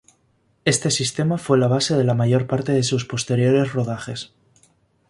Este sistema fue la base de la mayor parte de sus posteriores rodajes.